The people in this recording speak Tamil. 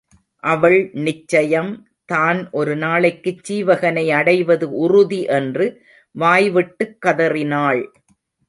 அவள் நிச்சயம் தான் ஒரு நாளைக்குச் சீவகனை அடைவது உறுதி என்று வாய்விட்டுக் கதறினாள்.